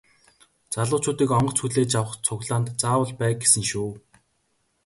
Залуучуудыг онгоц хүлээж авах цуглаанд заавал бай гэсэн шүү.